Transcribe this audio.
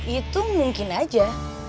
itu mungkin aja